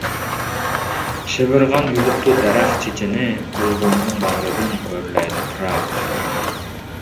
شىۋىرغان يۇلۇپتۇ دەرەخ چېچىنى، بۇلبۇلنىڭ باغرىدىن ئۆرلەيدۇ پىراق.